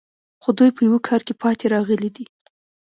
خو دوی په یوه کار کې پاتې راغلي دي